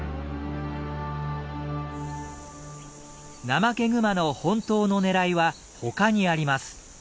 ナマケグマの本当の狙いは他にあります。